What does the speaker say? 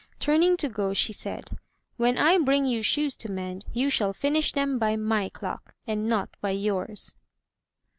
Turning to go, she said: "When I bring you shoes to mend, you shall finish them by my clock, and not by yours."